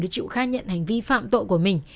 mới chịu khai nhận hành vi phạm tội của mình